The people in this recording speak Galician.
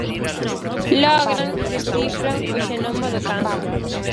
Logran descifran o xenoma do cancro.